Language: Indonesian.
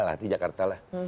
lrt jakarta lah